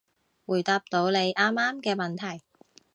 會答到你啱啱嘅問題